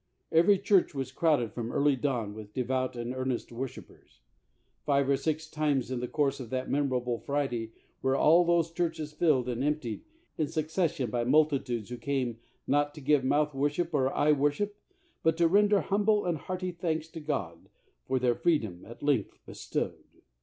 Every church was crowded from early dawn with de vout and earnest worshipers. Five or six times in the course of that memorable Friday were all those churches filled and emptied in suc cession by multitudes who came, not to give mouth worship or eye worship, but to render humble and hearty thanks to God for their free dom at length bestowed.